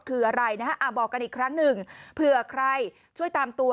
คืออะไรนะฮะบอกกันอีกครั้งหนึ่งเผื่อใครช่วยตามตัว